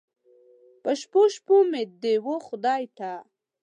په شپو، شپو مې دې و خدای ته